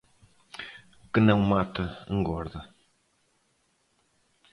O que não mata engorda.